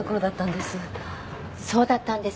そうだったんですか。